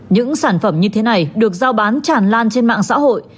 những sản phẩm như thế này được giao bán tràn lan trên mạng xã hội